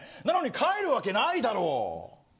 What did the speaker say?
なのに帰るわけないだろ！